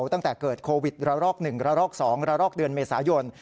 ตั้งแต่เกิดโควิดระลอก๑ระลอก๒ระลอกเดือนเมษายน